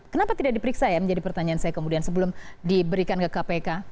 kenapa tidak diperiksa ya menjadi pertanyaan saya kemudian sebelum diberikan ke kpk